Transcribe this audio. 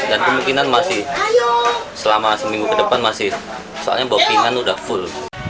dan kemungkinan masih selama seminggu ke depan masih soalnya bopingan udah full